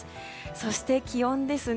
そして、気温です。